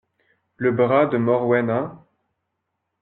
Le bras de Morwena.